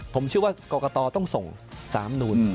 ผมเชื่อว่ากรกตต้องส่ง๓นูน